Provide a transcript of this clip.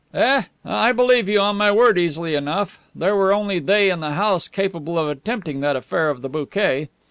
"Eh, eh, I believe you, on my word, easily enough. There were only they in the house capable of attempting that affair of the bouquet.